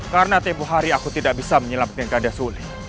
karena tempuh hari aku tidak bisa menyelamatkan gadisuli